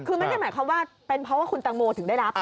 คือไม่ได้หมายความว่าเป็นเพราะว่าคุณตังโมถึงได้รับ